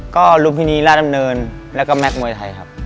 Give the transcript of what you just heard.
ก็รุ่นที่นี่ล่าดำเนินแล้วก็แม็กซ์มวยไทยครับ